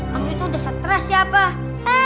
kamu itu udah stress ya apa